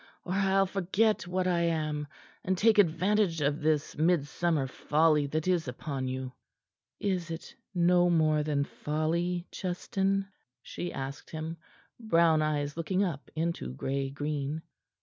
Or I'll forget what I am, and take advantage of this midsummer folly that is upon you." "Is it no more than folly, Justin?" she asked him, brown eyes looking up into gray green.